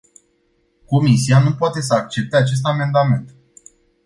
Comisia nu poate să accepte acest amendament.